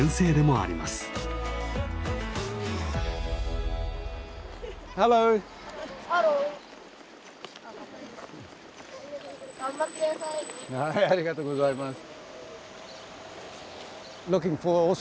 ありがとうございます。